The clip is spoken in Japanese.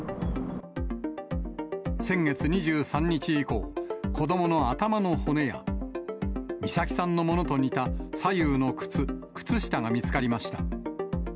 先月２３日以降、子どもの頭の骨や、美咲さんのものと似た左右の靴、靴下が見つかりました。